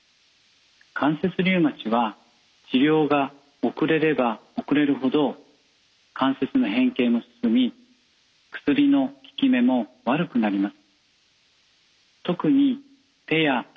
関節リウマチは治療が遅れれば遅れる程関節の変形も進み薬の効き目も悪くなります。